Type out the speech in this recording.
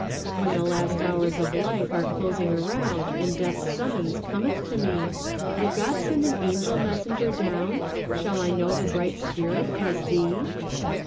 When the last hours of life are closing around And death's summons cometh to me; Will God send an angel messenger down? Shall I know the bright spirit as thee?